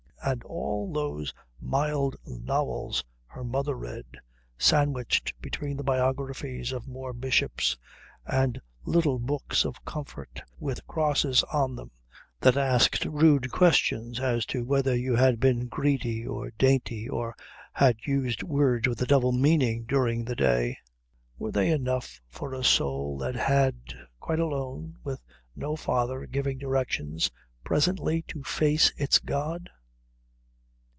And all those mild novels her mother read, sandwiched between the biographies of more bishops and little books of comfort with crosses on them that asked rude questions as to whether you had been greedy or dainty or had used words with a double meaning during the day were they enough for a soul that had, quite alone, with no father giving directions, presently to face its God?